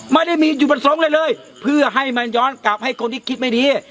ไม่ได้มีจุดประสงค์อะไรเลยเพื่อให้มันย้อนกลับให้คนที่คิดไม่ดี